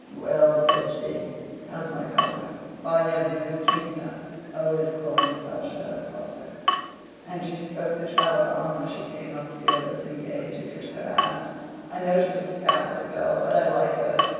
"Well," said she, "how's my Cossack?" (Márya Dmítrievna always called Natásha a Cossack) and she stroked the child's arm as she came up fearless and gay to kiss her hand. "I know she's a scamp of a girl, but I like her."